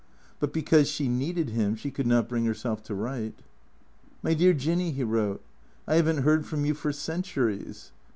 But because she needed him, she could not bring her self to write. " My dear Jinny," he wrote, " I have n't heard from you for centuries."